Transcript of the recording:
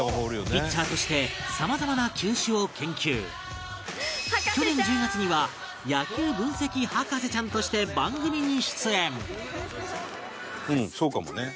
ピッチャーとして去年１０月には野球分析博士ちゃんとして番組に出演